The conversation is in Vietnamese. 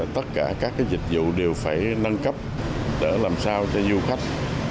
tất cả các dịch vụ đều phải nâng cấp để làm sao cho du khách